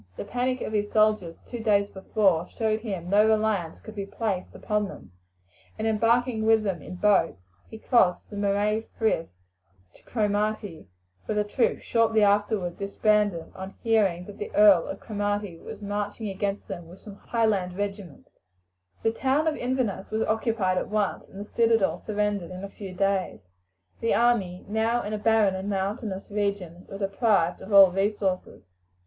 The panic of his soldiers two days before showed him that no reliance could be placed upon them, and embarking with them in boats he crossed the Moray Frith to Cromarty, where the troops shortly afterwards disbanded upon hearing that the Earl of Cromarty was marching against them with some Highland regiments. The town of Inverness was occupied at once, and the citadel surrendered in a few days. The army, now in a barren and mountainous region, were deprived of all resources.